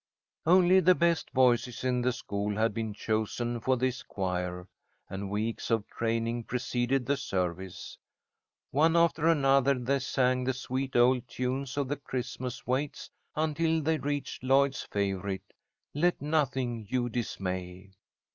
Only the best voices in the school had been chosen for this choir, and weeks of training preceded the service. One after another they sang the sweet old tunes of the Christmas waits until they reached Lloyd's favourite, "Let nothing you dismay."